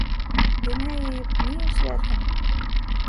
Донъя йыйып ни эшләрһең